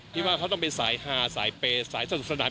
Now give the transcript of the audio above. ที่ว่าเขาต้องเป็นสายฮาสายเปย์สายสนุกสนาน